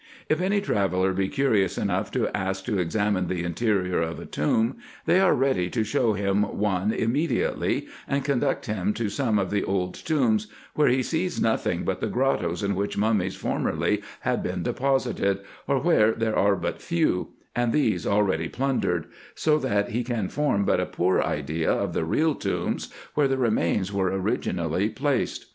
If any traveller be curious enough to ask to examine the interior of a tomb, they are ready to show him one immediately, and conduct him to some of the old tombs, where he sees nothing but the grottoes in which mummies formerly had been deposited, or where there are but few, and these already plundered ; so that he can form but a poor idea of the real tombs, where the remains were originally placed.